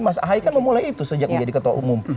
mas ahy kan memulai itu sejak menjadi ketua umum